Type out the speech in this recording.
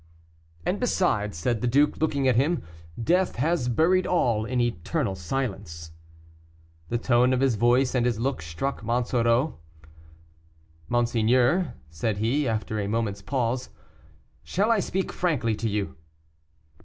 "And besides," said the duke, looking at him, "death has buried all in eternal silence." The tone of his voice and his look struck Monsoreau. "Monseigneur," said he, after a moment's pause, "shall I speak frankly to you?"